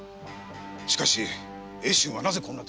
しかし英春はなぜこんな所で？